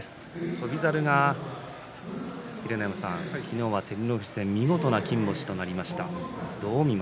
翔猿が、昨日は照ノ富士戦見事な金星となりました。